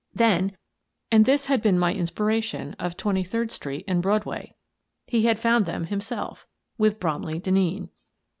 Then (and this had been my inspiration of Twenty third Street and Broadway) he had found them himself — with Bromley Denneen.